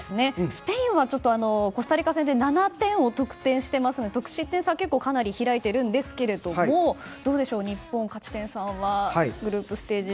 スペインはちょっとコスタリカ戦で７点を得点していますので得失点差はかなり開いているんですがどうでしょう、日本勝ち点３はグループステージ